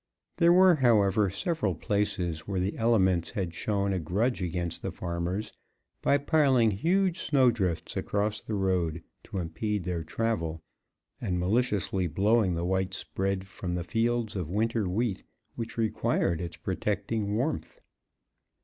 There were, however, several places where the elements had shown a grudge against the farmers by piling huge snow drifts across the road to impede their travel and maliciously blowing the white spread from the fields of winter wheat which required its protecting warmth.